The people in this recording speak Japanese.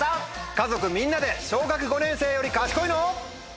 家族みんなで小学５年生より賢いの？